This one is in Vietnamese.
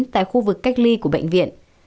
tại khu vực cách ly của bệnh viện